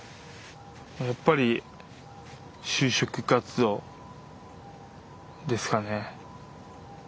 やっぱり就職活動ですかね。